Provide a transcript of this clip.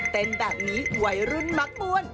เต้นแบบนี้วัยรุ่นมักป้วน